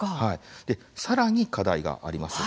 さらに課題があります。